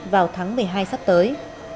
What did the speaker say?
vào tháng một mươi hai sắp tới